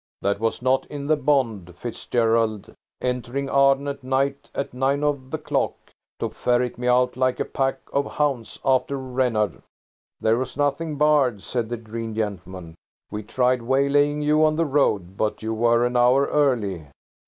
That was not in the bond, Fitzgerald, entering Arden at night at nine of the clock, to ferret me out like a pack of hounds after Reynard." "There was nothing barred," said the green gentleman. "We tried waylaying you on the road, but you were an hour early."